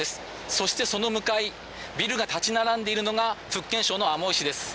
そして、その向かいビルが立ち並んでいるのが福建省のアモイ市です。